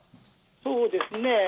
そうですね。